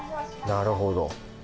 なるほど。